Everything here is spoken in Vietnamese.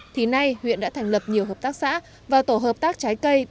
thì nay huyện đã thành lập nhiều hợp tác xã và tổ hợp tác trái cây